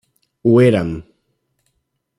Ho érem.